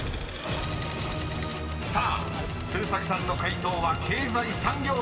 ［さあ鶴崎さんの解答は経済産業省］